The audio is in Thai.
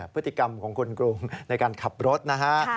พฤติกรรมของคนกรุงในการขับรถนะฮะ